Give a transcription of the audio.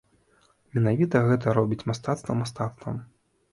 Менавіта гэта робіць мастацтва мастацтвам.